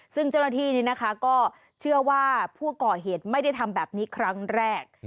ซึ่งเจ้าหน้าที่ก็เชื่อว่าผู้ก่อเหตุไม่ได้ทำแบบนี้ครั้งแรก